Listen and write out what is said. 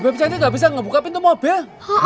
beb beb cantik gak bisa ngebuka pintu mobil